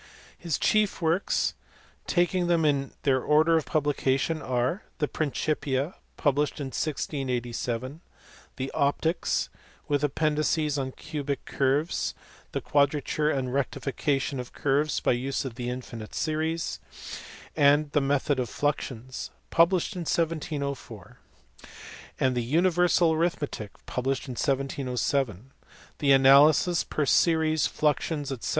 His chief works, taking them in their order of publication, are the Principia, published in 1687 ; the Optics (with appen dices on cubic curves, the quadrature and rectification of curves by tJie use of infinite series, and the method of fluxions), published in 1704; the Universal Arithmetic, published in 1707; the Analysis per Series, Flaxiones, &c.